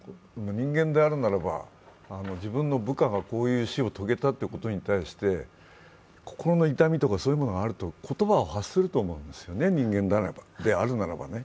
人間であるならば、自分の部下がこういう死を遂げたということに対して心の痛みとかそういうものがあると言葉を発すると思うんですね、人間であるならばね。